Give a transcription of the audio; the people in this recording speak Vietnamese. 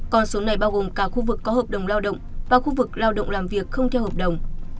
con số này bao gồm cả khu vực có hợp đồng lao động và khu vực lao động làm việc không theo hợp đồng